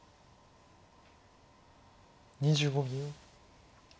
２５秒。